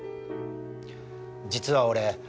実は俺。